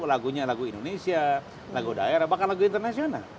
lagunya lagu indonesia lagu daerah bahkan lagu internasional